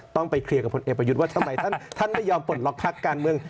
ต้องไปเคลียร์กับพลเอกประยุทธ์ว่าทำไมท่านไม่ยอมปลดล็อกพักการเมือง